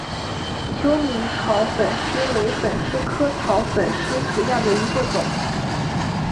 求米草粉虱为粉虱科草粉虱属下的一个种。